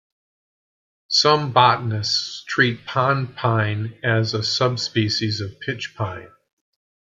Some botanists treat pond pine as a subspecies of pitch pine.